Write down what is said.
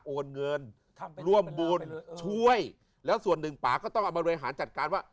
โอนเงินร่วมบุญช่วยแล้วส่วนหนึ่งป่าก็ต้องเอามาบริหารจัดการว่า